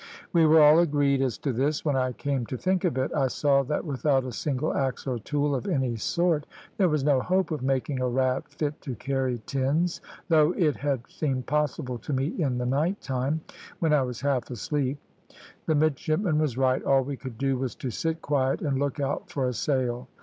"We were all agreed as to this. When I came to think of it, I saw that without a single axe or tool of any sort there was no hope of making a raft fit to carry tins, though it had seemed possible to me in the night time, when I was half asleep. The midshipman was right, all we could do was to sit quiet, and look out for a sail.